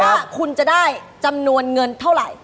ว่าคุณจะได้จำนวนเงินเท่าไหร่